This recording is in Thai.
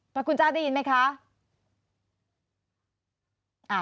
พระคุณเจ้าได้ยินไหมคะ